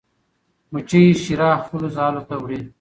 مچۍ شیره خپلو ځالو ته وړي.